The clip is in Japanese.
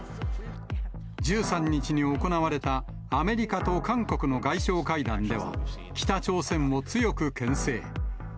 １３日に行われたアメリカと韓国の外相会談では、北朝鮮を強くけん制。